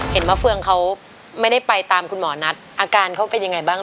มะเฟืองเขาไม่ได้ไปตามคุณหมอนัดอาการเขาเป็นยังไงบ้าง